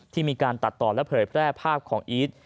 มีการตัดต่อและเผยแพร่ภาพของอีท